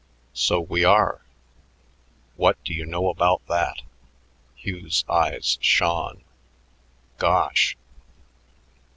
"So we are! What do you know about that?" Hugh's eyes shone. "Gosh!"